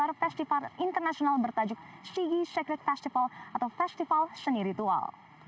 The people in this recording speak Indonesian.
dan juga akan digelar festival internasional bertajuk sigi secret festival atau festival seni ritual